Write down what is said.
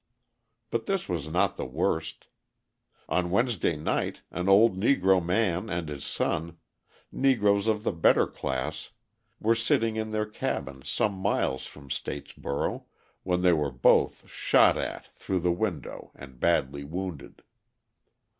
But this was not the worst. On Wednesday night an old Negro man and his son Negroes of the better class were sitting in their cabin some miles from Statesboro, when they were both shot at through the window and badly wounded.